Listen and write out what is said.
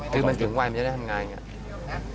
คือถึงวัยมันจะได้ทำงานอย่างนี้